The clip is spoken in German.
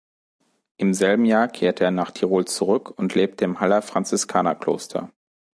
Im selben Jahr kehrte er nach Tirol zurück und lebte im Haller Franziskanerkloster.